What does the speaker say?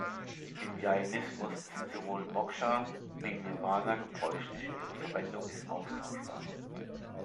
Im Jainismus sind sowohl "Moksha" wie "Nirvana" gebräuchlich; ihre Verwendung ist austauschbar.